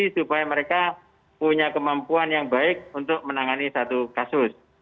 supaya mereka punya kemampuan yang baik untuk menangani satu kasus